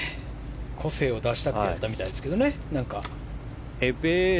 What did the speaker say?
個性を出したと言ってたみたいですけどね。